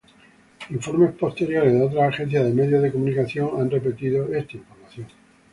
Informes posteriores de otras agencias de medios de comunicación han repetido esta información.